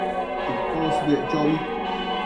tëposbëec chobi